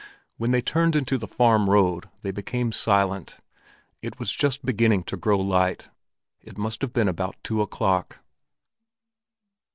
When they turned into the farm road they became silent. It was just beginning to grow light; it must have been about two o'clock.